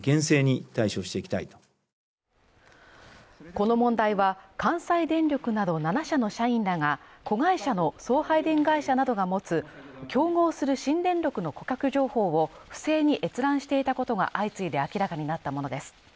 この問題は、関西電力など７社の社員らが、子会社の送配電会社などが持つ競合する新電力の顧客情報を不正に閲覧していたことが相次いで明らかになったものです。